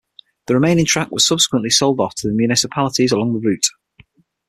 The remaining track was subsequently sold off to the municipalities along the route.